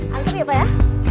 angkat ya pak ya